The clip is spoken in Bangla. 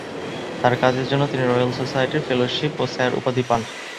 তার কাজের জন্য তিনি রয়াল সোসাইটির ফেলোশিপ ও স্যার উপাধি পান।